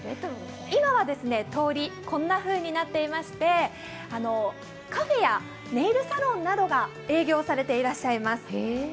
今は通り、こんなふうになっていまして、カフェやネイルサロンなどが営業されていらっしゃいます。